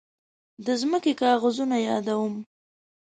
د ځمکې کاغذونه يادوم.